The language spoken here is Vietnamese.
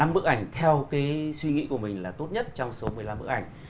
năm bức ảnh theo suy nghĩ của mình là tốt nhất trong số một mươi năm bức ảnh